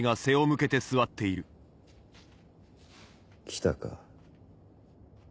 来たか。